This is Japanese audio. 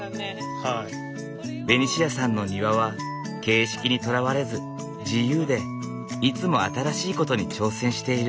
ベニシアさんの庭は形式にとらわれず自由でいつも新しいことに挑戦している。